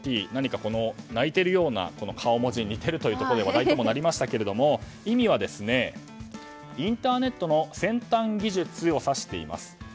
泣いているような顔文字に似ているというところで話題にもなりましたが意味は、インターネットの先端技術を指しています。